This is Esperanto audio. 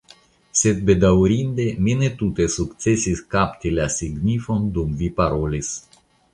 Sed, bedaŭrinde mi ne tute sukcesis kapti la signifon dum vi parolis.